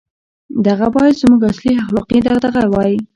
• دغه باید زموږ اصلي اخلاقي دغدغه وای.